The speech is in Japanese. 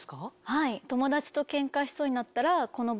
はい。